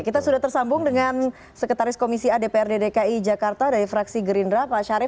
kita sudah tersambung dengan sekretaris komisi adpr dki jakarta dari fraksi gerindra pak syarif